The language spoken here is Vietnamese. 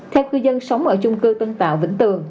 theo cư dân sống ở chung cư tân tạo vĩnh tường